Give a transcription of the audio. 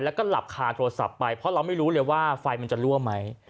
แล้วก็หลับคาโทรศัพท์ไปเพราะเราไม่รู้เลยว่าไฟมันจะรั่วไหม